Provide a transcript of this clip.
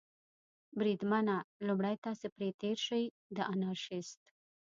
بریدمنه، لومړی تاسې پرې تېر شئ، د انارشیست.